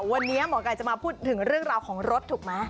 วันนี้หมอไก่จะมาพูดถึงเรื่องราวของรถถูกไหม